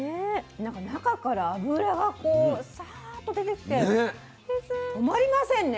なんか中から脂がこうサーッと出てきて止まりませんね